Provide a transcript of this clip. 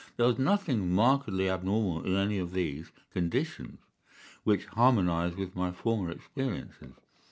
There was nothing markedly abnormal in any of these conditions, which harmonised with my former experiences.